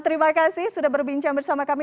terima kasih sudah berbincang bersama kami